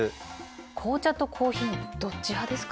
紅茶とコーヒーどっち派ですか？